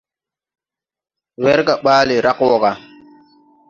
Werga bale rag wɔ ga.